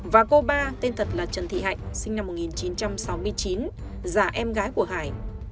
và cô ba tên thật là trần thị hạnh sinh năm một nghìn chín trăm sáu mươi chín giả em gái của hải